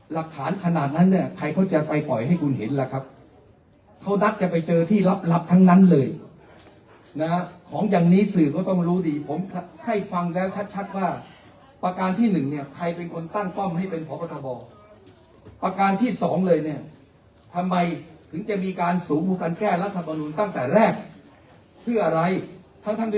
หลักฐานขนาดนั้นเนี่ยใครเขาจะไปปล่อยให้คุณเห็นล่ะครับเขานัดกันไปเจอที่ลับทั้งนั้นเลยนะฮะของอย่างนี้สื่อก็ต้องรู้ดีผมให้ฟังแล้วชัดชัดว่าประการที่หนึ่งเนี่ยใครเป็นคนตั้งป้อมให้เป็นพบทบประการที่สองเลยเนี่ยทำไมถึงจะมีการสูงกว่าการแก้รัฐมนุนตั้งแต่แรกเพื่ออะไรทั้งทั้งที่